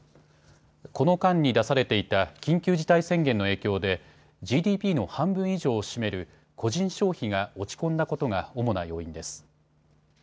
この間に出されていた緊急事態宣言の影響でＧＤＰの半分以上を占める個人消費が落ち込んだことが主な要因です。